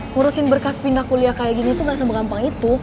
ngurusin berkas pindah kuliah kayak gini tuh gak sebegampang itu